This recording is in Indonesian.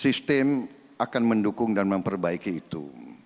sistem akan mendukung dan memperbaiki itu